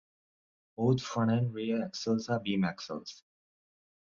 Both front and rear axles are beam axles.